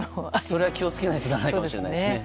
それは気を付けないとだめかもしれないですね。